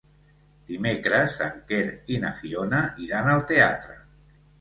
Dimecres en Quer i na Fiona iran al teatre.